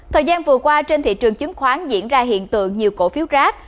thời gian vừa qua trên thị trường chứng khoán diễn ra hiện tượng nhiều cổ phiếu rác